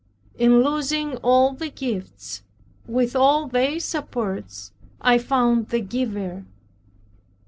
In losing all the gifts, with all their supports, I found the Giver.